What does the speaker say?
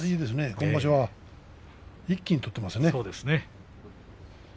今場所、一気に取っていますね。